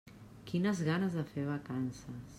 Quines ganes de fer vacances.